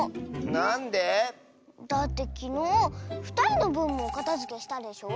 なんで？だってきのうふたりのぶんもおかたづけしたでしょ？